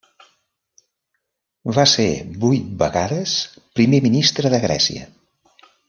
Va ser vuit vegades Primer ministre de Grècia.